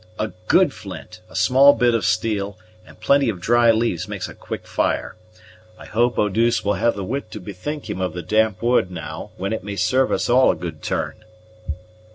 "A good flint, a small bit of steel, and plenty of dry leaves makes a quick fire. I hope Eau douce will have the wit to bethink him of the damp wood now when it may serve us all a good turn."